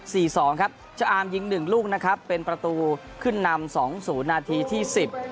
สองครับเจ้าอามยิงหนึ่งลูกนะครับเป็นประตูขึ้นนำสองศูนย์นาทีที่สิบ